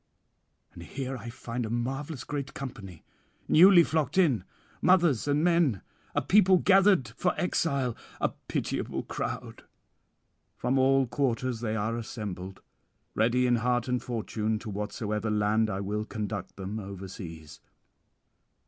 'And here I find a marvellous great company, newly flocked in, mothers and men, a people gathered for exile, [799 804]a pitiable crowd. From all quarters they are assembled, ready in heart and fortune, to whatsoever land I will conduct them overseas.